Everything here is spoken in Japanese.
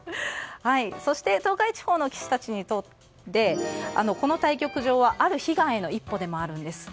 そして東海地方の棋士たちにとってこの対局場はある悲願への一歩でもあるんです。